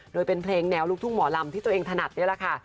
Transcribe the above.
โดยเป็นเพลงแนวลูกทุ่งหมอลำที่ตัวเองถนัดนี่แหละค่ะ